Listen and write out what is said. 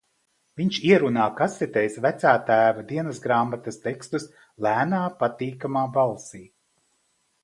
Viņš ierunā kasetēs vecātēva dienasgrāmatas tekstus lēnā, patīkamā balsī.